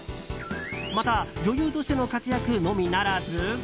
また、女優としての活躍のみならず。